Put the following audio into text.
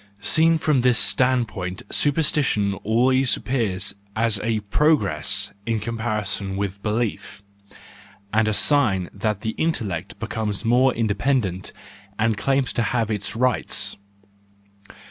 Seen from this standpoint supersti¬ tion always appears as a progress in comparison with belief, and as a sign that the intellect becomes more independent and claims to have its rights.